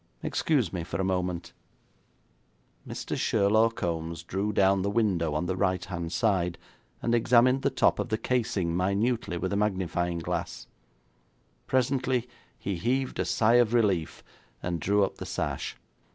Excuse me for a moment.' Mr. Sherlaw Kombs drew down the window on the right hand side, and examined the top of the casing minutely with a magnifying glass. Presently he heaved a sigh of relief, and drew up the sash.